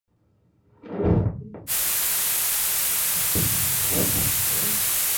District schools in Fieldon include Fieldon Elementary School.